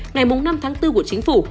ngày năm bốn của chính phủ